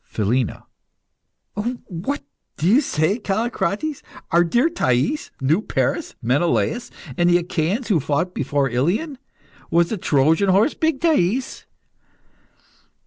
PHILINA. What do you say, Callicrates? Our dear Thais knew Paris, Menelaus, and the Achaians who fought before Ilion! Was the Trojan horse big, Thais?